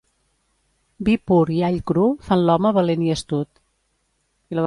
Vi pur i all cru fan l'home valent i astut.